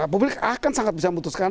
publik akan sangat bisa memutuskan